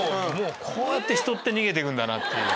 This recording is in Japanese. こうやって人って逃げてくんだなっていう。